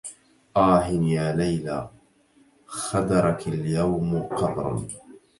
آه يا ليلى خدرك اليوم قبر